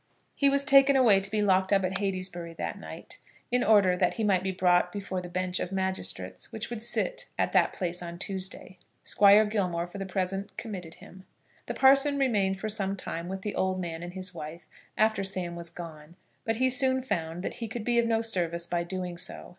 He was taken away to be locked up at Heytesbury that night, in order that he might be brought before the bench of magistrates which would sit at that place on Tuesday. Squire Gilmore for the present committed him. The parson remained for some time with the old man and his wife after Sam was gone, but he soon found that he could be of no service by doing so.